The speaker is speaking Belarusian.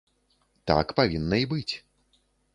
Так павінна і быць.